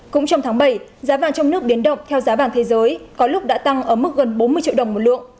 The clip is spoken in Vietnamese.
cũng trong tháng bảy giá vàng trong nước biến động theo giá vàng thế giới có lúc đã tăng ở mức gần bốn mươi triệu đồng một lượng